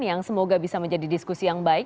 yang semoga bisa menjadi diskusi yang baik